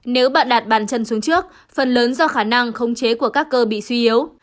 nếu bạn đạt bàn chân xuống trước phần lớn do khả năng khống chế của các cơ bị suy yếu